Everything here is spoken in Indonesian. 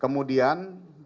selama sekian hari